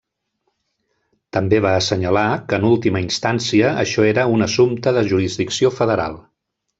També va assenyalar que en última instància això era un assumpte de jurisdicció federal.